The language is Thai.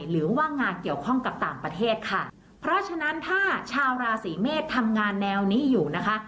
หรือว่างานเกี่ยวข้องกับต่างประเทศค่ะเพราะฉะนั้นถ้าชาวราศีเมษทำงานแนวนี้อยู่นะคะ